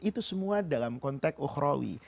itu semua dalam konteks uhrawi